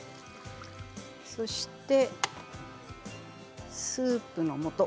そしてスープのもと。